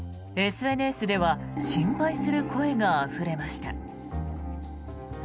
ＳＮＳでは心配する声があふれました。